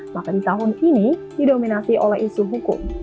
maka di tahun ini didominasi oleh isu hukum